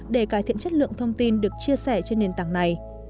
để cải thiện chất lượng thông tin được chia sẻ trên nền tảng này